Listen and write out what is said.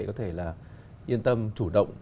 có thể là yên tâm chủ động